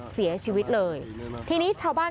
เสียชีวิตเลยทีนี้ชาวบ้าน